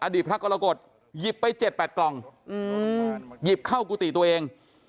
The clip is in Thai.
อดีตพระกรกฎหยิบไปเจ็ดแปดกล่องหยิบเข้ากุฏิตัวเอง